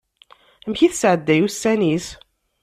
Amek i tesɛedday ussan-is?